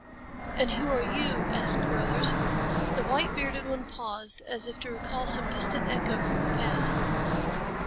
"And who are you?" asked Carruthers. The white bearded one paused as if to recall some distant echo from the past.